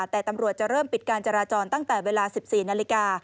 แต่ตำรวจจะเริ่มปิดการจราจรตั้งแต่เวลา๑๔นาฬิกา